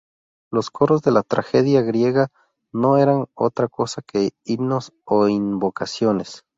Los coros de la tragedia griega no eran otra cosa que himnos o invocaciones.